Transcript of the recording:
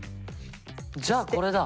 じゃあこれだ。